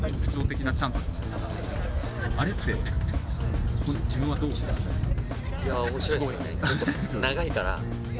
あれって自分はどういう気持ちですか？